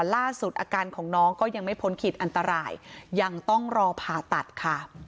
ล่าสุดอาการของน้องก็ยังไม่พ้นขีดอันตรายยังต้องรอผ่าตัดค่ะ